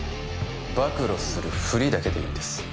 暴露するフリだけでいいんです